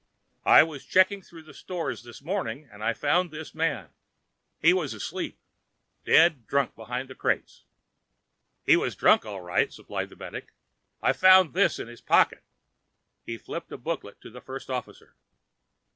"I was checking through the stores this morning when I found this man. He was asleep, dead drunk, behind the crates." "He was drunk, all right," supplied the medic. "I found this in his pocket." He flipped a booklet to the First Officer.